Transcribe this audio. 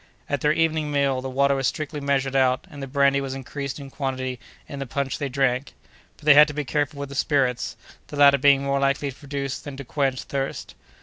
At their evening meal, the water was strictly measured out, and the brandy was increased in quantity in the punch they drank. But they had to be careful with the spirits, the latter being more likely to produce than to quench thirst.